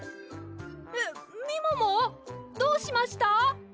えっみももどうしました？